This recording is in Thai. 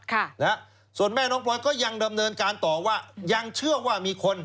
ค่ะนะฮะส่วนแม่น้องพลอยก็ยังดำเนินการต่อว่ายังเชื่อว่ามีคน